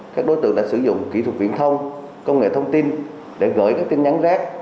các đối tượng đã sử dụng kỹ thuật viễn thông công nghệ thông tin để gửi các tin nhắn rác